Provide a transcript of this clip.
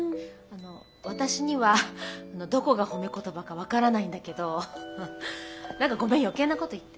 私にはどこが褒め言葉か分からないんだけど何かごめん余計なこと言って。